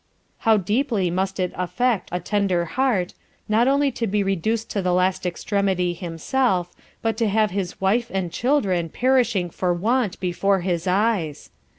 How deeply must it affect a tender Heart, not only to be reduc'd to the last Extremity himself, but to have his Wife and Children perishing for Want before his Eyes!